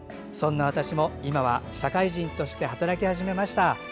そんな私も今は社会人として働き始めました。